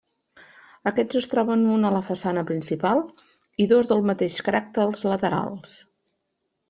Aquests es troben un a la façana principal i dos del mateix caràcter als laterals.